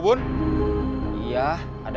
bapak bisa mencoba